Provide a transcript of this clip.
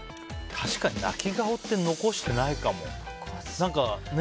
確かに泣き顔って残してないかも。